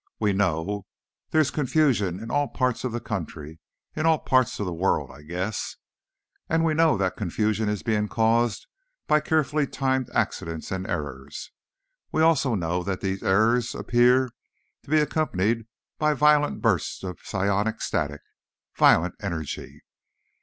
"We know there's confusion in all parts of the country, in all parts of the world, I guess. And we know that confusion is being caused by carefully timed accidents and errors. We also know that these errors appear to be accompanied by violent bursts of psionic static—violent energy.